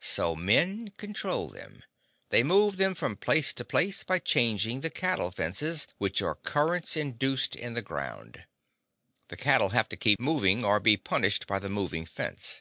So men control them. They move them from place to place by changing the cattle fences, which are currents induced in the ground. The cattle have to keep moving or be punished by the moving fence.